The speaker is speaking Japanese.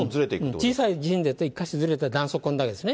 小さい地震だと１か所ずれたら断層それだけですね。